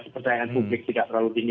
kepercayaan publik tidak terlalu tinggi